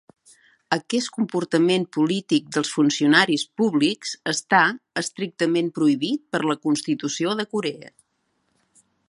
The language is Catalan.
Aquest comportament polític dels funcionaris públics està estrictament prohibit per la constitució de Corea.